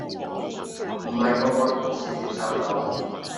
唔係個個同事接受到